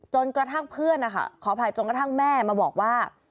จนกระทั่งเพื่อนนะคะขออภัยจนกระทั่งแม่มาบอกว่า